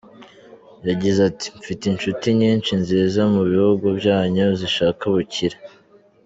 Yagize ati “Mfite inshuti nyinshi ziza mu bihugu byanyu zishaka ubukire.